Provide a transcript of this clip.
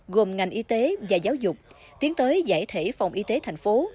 gồm ngành y tế và giáo dục tiến tới giải thể phòng y tế thành phố